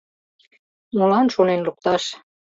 — Молан шонен лукташ?